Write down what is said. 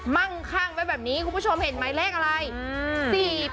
มั่งข้างไว้แบบนี้คุณผู้ชมเห็นไหมเลขอะไร